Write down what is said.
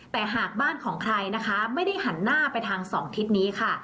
แต่หากบ้านของใครนะคะไม่ได้หันหน้าไปทางสองทิศนี้ค่ะ